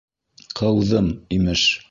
Ҡыуҙым, имеш!